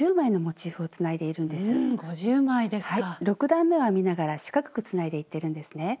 ６段めを編みながら四角くつないでいってるんですね。